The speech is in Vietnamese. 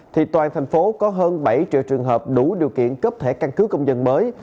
thì toàn thành phố có hơn bảy triệu trường hợp đủ điều kiện cấp thể căn cứ công dân mới